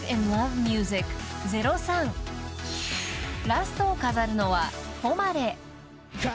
［ラストを飾るのは］